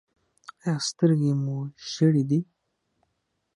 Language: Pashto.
ایا سترګې مو ژیړې دي؟